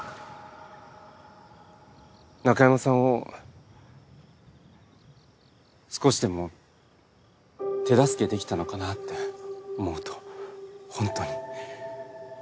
中山さんを少しでも手助けできたのかなって思うと本当に。